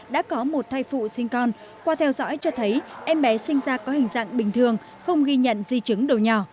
đã có một thai phụ sinh con qua theo dõi cho thấy em bé sinh ra có hình dạng bình thường không ghi nhận di chứng đồ nhỏ